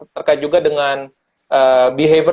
terkait juga dengan behavior